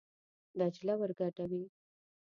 دجله ور ګډوي.